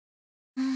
うん。